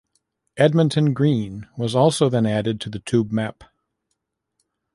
Edmonton Green was also then added to the Tube map.